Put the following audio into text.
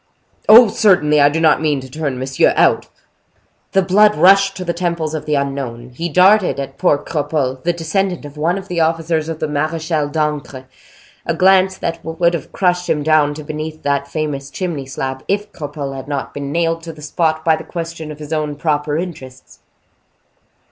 "Oh! certainly. I do not mean to turn monsieur out." The blood rushed to the temples of the unknown; he darted at poor Cropole, the descendant of one of the officers of the Marechal d'Ancre, a glance that would have crushed him down to beneath that famous chimney slab, if Cropole had not been nailed to the spot by the question of his own proper interests.